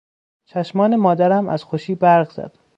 چشمان مادرم از خوشی برق زد.